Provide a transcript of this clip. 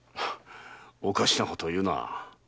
おかしなことを言うな。